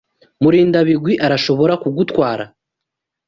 Murindabigwi arashobora kugutwara.